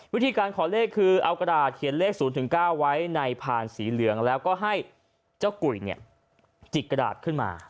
วิธีการขอเลขคือเอากระดาษเขียนเลข๐๙ไว้ในผ่านสีเหลืองแล้วก็ให้เจ้ากุยจิกกระดาษขึ้นมา